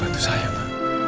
bantu saya ma